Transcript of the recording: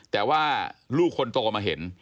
แต่ว่าลูกคนโตมาเห็น